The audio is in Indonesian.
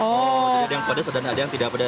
jadi ada yang pedes dan ada yang tidak pedes